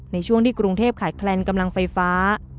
ในช่วงที่กรุงเทพขาดแคลนกำลังไฟฟ้า